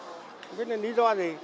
không biết là lý do gì